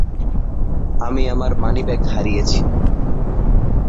আমি আমার মানিব্যাগ হারিয়েছি।